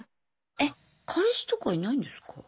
え彼氏とかいないんですか？